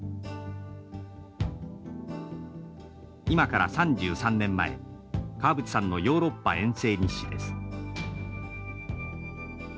今から３３年前川淵さんのヨーロッパ遠征日誌です。